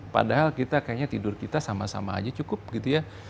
padahal kita kayaknya tidur kita sama sama aja cukup gitu ya